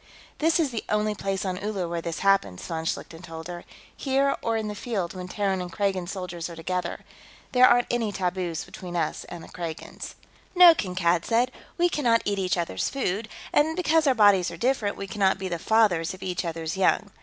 "This is the only place on Uller where this happens," von Schlichten told her. "Here, or in the field when Terran and Kragan soldiers are together. There aren't any taboos between us and the Kragans." "No," Kankad said. "We cannot eat each others' food, and because our bodies are different, we cannot be the fathers of each others' young.